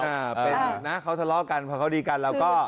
เป็นอยู่นะเขาทะเลาะกันพอเขาดีกันแล้วก็